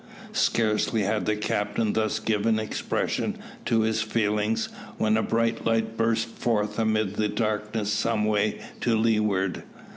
Scarcely had the captain thus given expression to his feelings, when a bright light burst forth amid the darkness some way to leeward.